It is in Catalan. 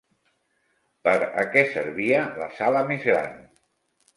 Per a què servia la sala més gran?